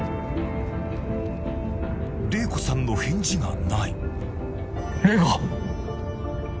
玲子さんの返事がない玲子！